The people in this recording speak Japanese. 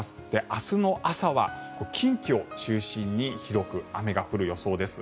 明日の朝は近畿を中心に広く雨が降る予想です。